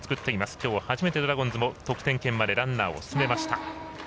きょう初めてドラゴンズも得点圏までランナーを進めました。